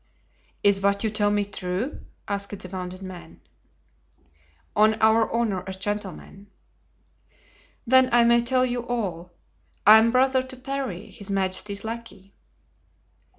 "Is what you tell me true?" asked the wounded man. "On our honor as gentlemen." "Then I may tell you all. I am brother to Parry, his majesty's lackey."